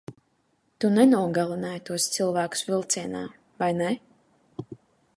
Tu nenogalināji tos cilvēkus vilcienā, vai ne?